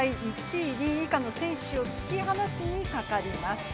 ２位以下の選手を突き放しにかかります。